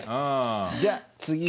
じゃあ次。